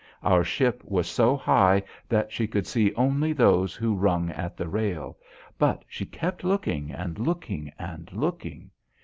Our ship was so high that she could see only those who rung at the rail, but she kept looking and looking and looking.